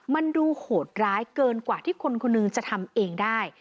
มันดูโหดร้ายเกินกว่าที่คนคนหนึ่งจะทำเองได้